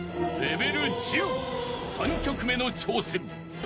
［３曲目の挑戦］